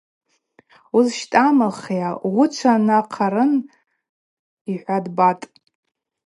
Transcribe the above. Уызщтӏамылхйа, уычва нахъарын, – йхӏватӏ Батӏ.